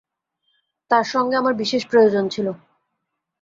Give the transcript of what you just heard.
তাঁর সঙ্গে আমার বিশেষ প্রয়োজন ছিল।